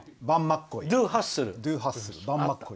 「ドゥーハッスル」。